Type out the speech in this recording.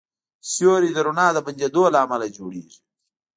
سیوری د رڼا د بندېدو له امله جوړېږي.